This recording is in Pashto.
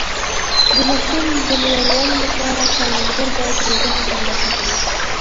د حاصل د لوړوالي لپاره کروندګر باید روزنه ترلاسه کړي.